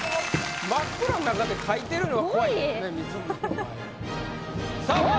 真っ暗な中で描いてるのが怖い。